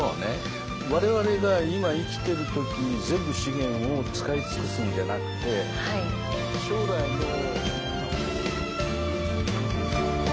我々が今生きてる時に全部資源を使い尽くすんじゃなくて将来の。